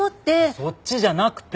そっちじゃなくて！